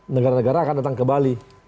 negara negara akan datang ke bali